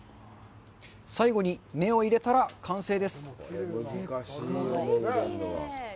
最後に目を入れたら完成です。